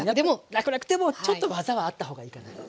らくらくでもちょっと技はあった方がいいかなと。